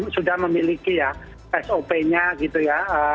sudah memiliki ya sop nya gitu ya